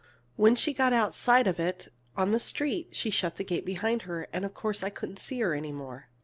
When she got outside of it, on the street, she shut the gate behind her, and of course I couldn't see her any more.